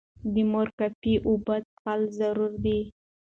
د مور کافي اوبه څښل ضروري دي.